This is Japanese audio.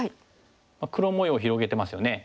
黒模様広げてますよね。